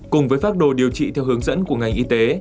cùng với pháp đồ điều trị theo hướng dẫn của ngành y tế